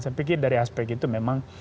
saya pikir dari aspek itu memang